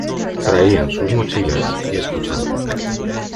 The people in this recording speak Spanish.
Traían sus mochilas y escuchaban.